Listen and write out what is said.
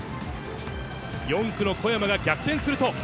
４区の小山が逆転すると。